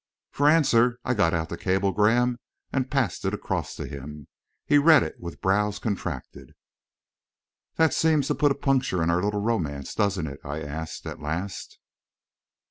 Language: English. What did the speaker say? For answer, I got out the cablegram and passed it across to him. He read it with brows contracted. "That seems to put a puncture in our little romance, doesn't it?" I asked, at last.